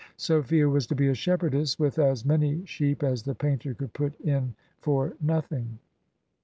Sophia was to be a shepardess, with as many sheep as the painter could put in for nothing."